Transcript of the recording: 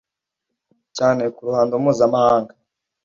cyane ku ruhando mpuzamahanga.